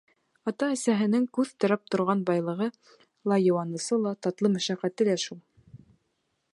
Ата-әсәһенең күҙ терәп торған байлығы ла, йыуанысы ла, татлы мәшәҡәте лә шул.